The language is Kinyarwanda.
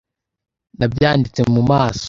nabyanditse mu maso